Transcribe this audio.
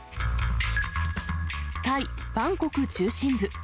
タイ・バンコク中心部。